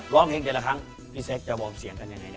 ร้องเพลงแต่ละครั้งพี่แซคจะวอร์มเสียงกันยังไง